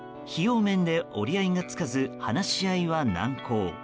費用面で折り合いがつかず話し合いは難航。